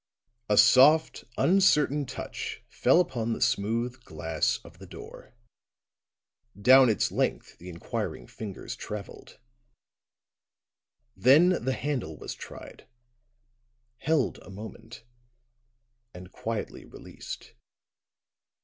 A soft, uncertain touch fell upon the smooth glass of the door; down its length the inquiring fingers traveled; then the handle was tried, held a moment and quietly released.